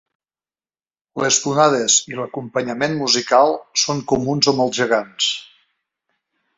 Les tonades i l'acompanyament musical són comuns amb els gegants.